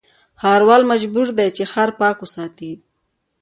ښاروال مجبور دی چې، ښار پاک وساتي.